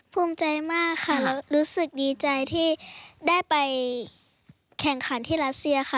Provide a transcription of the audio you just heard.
ภูมิใจมากค่ะรู้สึกดีใจที่ได้ไปแข่งขันที่รัสเซียค่ะ